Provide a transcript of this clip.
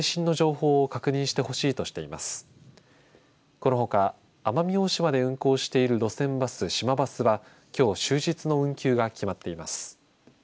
このほか奄美大島で運行している路線バスしまバスは、きょう終日の運休が決まっています。